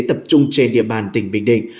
tập trung trên địa bàn tỉnh bình đình